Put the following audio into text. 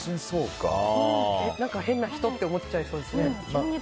変な人って思っちゃいそうですね。